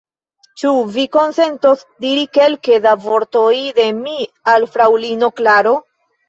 Ĉu vi konsentos diri kelke da vortoj de mi al fraŭlino Klaro?